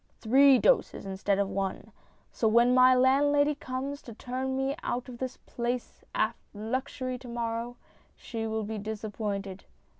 1 Three doses instead of one. So when my landlady comes to turn me out of this palace of luxury to morrow, she'll be disappointed.